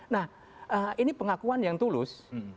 nah ini pengakuan yang tulus